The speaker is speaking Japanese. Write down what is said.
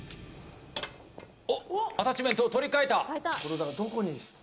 アタッチメントを取り替えた。